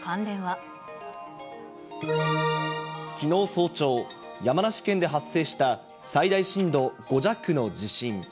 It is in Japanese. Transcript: きのう早朝、山梨県で発生した、最大震度５弱の地震。